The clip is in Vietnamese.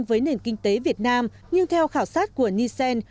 trong kinh tế việt nam nhưng theo khảo sát của nissan